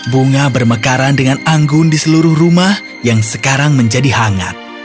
bunga bermekaran dengan anggun di seluruh rumah yang sekarang menjadi hangat